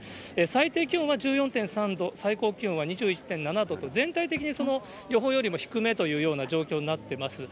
最低気温は１４．３度、最高気温は２１．７度と、全体的にその予報よりも低めという状況になっています。